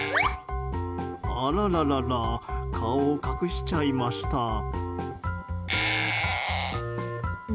あららら顔を隠しちゃいました。